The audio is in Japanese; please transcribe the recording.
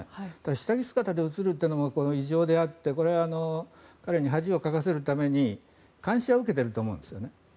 下着姿で映るというのが異常であってこれは彼に恥をかかせるために監視は受けていると思うんですよね。